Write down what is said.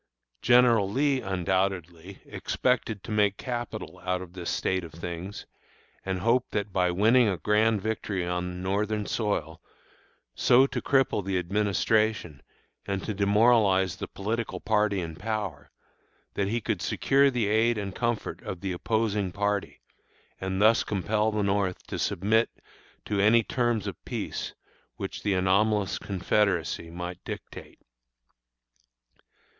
General Lee, undoubtedly, expected to make capital out of this state of things, and hoped that by winning a grand victory on Northern soil, so to cripple the Administration and to demoralize the political party in power, that he could secure the aid and comfort of the opposing party, and thus compel the North to submit to any terms of peace which the anomalous Confederacy might dictate.